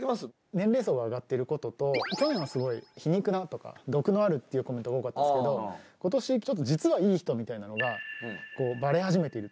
年齢層が上がっている事と去年はすごい「皮肉な」とか「毒のある」っていうコメントが多かったんですけど今年ちょっと「実はいい人」みたいなのがバレ始めているというか。